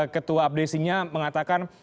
ketua abdesinya mengatakan